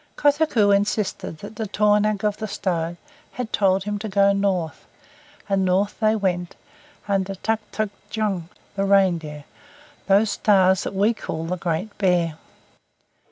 Kotuko insisted that the tornaq of the stone had told him to go north, and north they went under Tuktuqdjung the Reindeer those stars that we call the Great Bear.